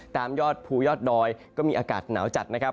ยอดภูยอดดอยก็มีอากาศหนาวจัดนะครับ